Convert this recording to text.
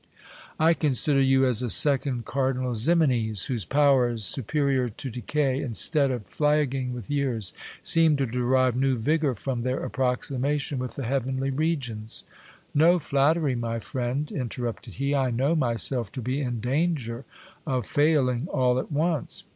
I consider you as a second Cardinal Ximenes, whose powers, superior to decay, instead of flagging with years, seemed to derive new vigour from their approximation with the heavenly regions. No flatten", my friend ! interrupted he. I know myself to be in danger of failing all at once.